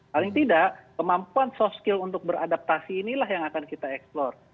paling tidak kemampuan soft skill untuk beradaptasi inilah yang akan kita eksplor